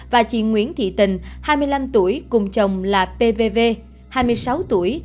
và chị nguyễn thị tình hai mươi năm tuổi cùng chồng là p v v hai mươi sáu tuổi